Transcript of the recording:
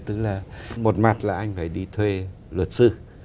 tức là một mặt là anh phải đi thuê luật sư